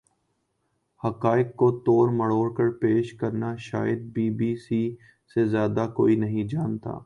حقائق کو توڑ مروڑ کر پیش کرنا شاید بی بی سی سے زیادہ کوئی نہیں جانتا